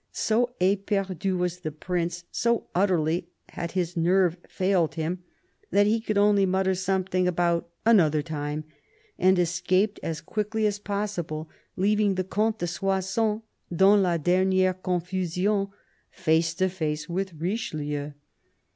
So eperdu was the Prince, so utterly had his nerve failed him, that he could only mutter something about " another time," and escaped as quickly as possible, leaving the Comte de Soissons, " dans la dernifere confusion," face to face with Richelieu.